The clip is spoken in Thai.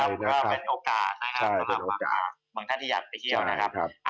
เพราะว่าเป็นโอกาสบางท่านที่อยากไปเที่ยวนะครับ